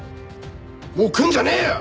もう来るんじゃねえよ！